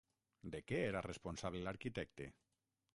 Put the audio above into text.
De què era el responsable l'arquitecte?